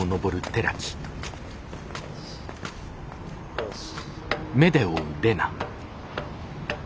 よし。